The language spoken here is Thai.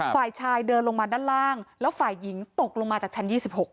ฝ่ายชายเดินลงมาด้านล่างแล้วฝ่ายหญิงตกลงมาจากชั้น๒๖